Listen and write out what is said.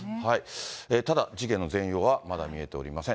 ただ、事件の全容はまだ見えておりません。